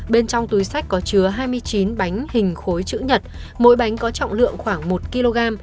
bên trong túi sách có chứa hai mươi chín bánh hình khối chữ nhật mỗi bánh có trọng lượng khoảng một kg